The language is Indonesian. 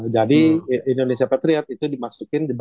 jadi indonesia patriots itu dimasukin